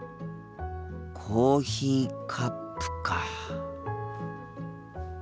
コーヒーカップか。